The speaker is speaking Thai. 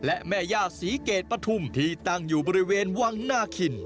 และแม่ย่าศรีเกตปฐุมที่ตั้งอยู่บริเวณวังนาคิน